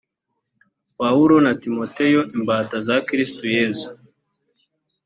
pawulo na timoteyo imbata za kristo yesu